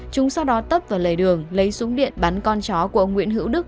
chúng sau đó tấp vào lề đường lấy súng điện bắn con chó của ông nguyễn hữu đức